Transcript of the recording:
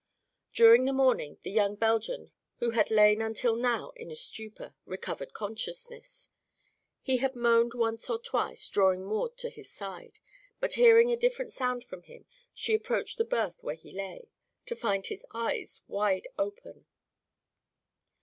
During the morning the young Belgian who had lain until now in a stupor, recovered consciousness. He had moaned once or twice, drawing Maud to his side, but hearing a different sound from him she approached the berth where he lay, to find his eyes wide open.